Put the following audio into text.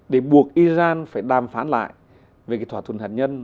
để buộc iran phải đàm phán lại về cái thỏa thuận hạt nhân